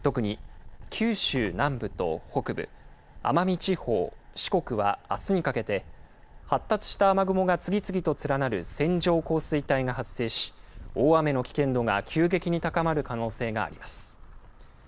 特に九州南部と北部、奄美地方、四国はあすにかけて、発達した雨雲が次々と連なる線状降水帯が発生し、大雨の危険度が急激に高まる可能性があります。